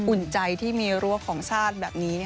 อุ่นใจที่มีรั้วของชาติแบบนี้